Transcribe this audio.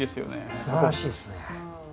すばらしいですね。